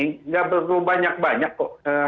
tidak perlu banyak banyak kok